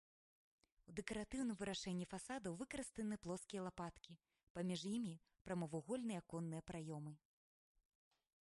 У дэкаратыўным вырашэнні фасадаў выкарыстаны плоскія лапаткі, паміж імі прамавугольныя аконныя праёмы.